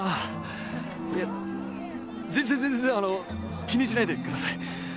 いや全然全然あの気にしないでください。